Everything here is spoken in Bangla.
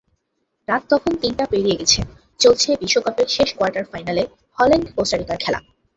রাত তখন তিনটা পেরিয়ে গেছে, চলছে বিশ্বকাপের শেষ কোয়ার্টার ফাইনালে হল্যান্ড-কোস্টারিকার খেলা।